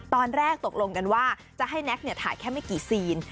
ตอนแรกตกลงกันว่าจะให้แน็กถ่ายแค่ไม่กี่ซีน